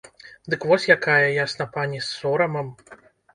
Дык вось якая, ясна пані, з сорамам!